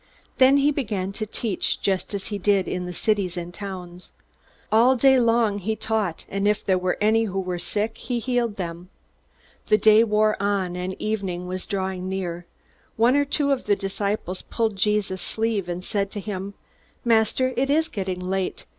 Then he began to teach, just as he did in the cities and towns. All day long he taught, and if there were any who were sick, he healed them. The day wore on, and evening was drawing near. One or two of the disciples pulled Jesus' sleeve, and said to him: "Master, it is getting late.